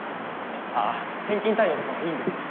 ああ返金対応とかはいいんです。